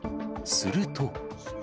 すると。